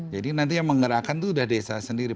jadi nanti yang menggerakkan itu udah desa sendiri